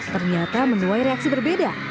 ternyata menuai reaksi berbeda